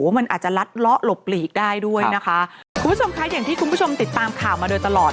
มันอาจจะลัดเลาะหลบหลีกได้ด้วยนะคะคุณผู้ชมคะอย่างที่คุณผู้ชมติดตามข่าวมาโดยตลอด